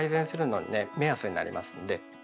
目安になりますんで。